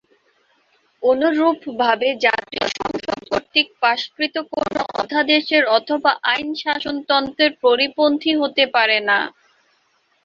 অনুরূপভাবে জাতীয় সংসদ কর্তৃক পাশকৃত কোনো অধ্যাদেশ অথবা আইন শাসনতন্ত্রের পরিপন্থী হতে পারে না।